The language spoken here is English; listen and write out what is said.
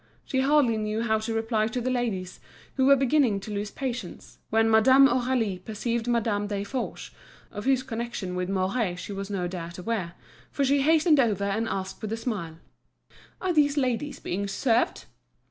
She hardly knew how to reply to the ladies, who were beginning to lose patience, when Madame Aurélie perceived Madame Desforges, of whose connection with Mouret she was no doubt aware, for she hastened over and asked with a smile: "Are these ladies being served?"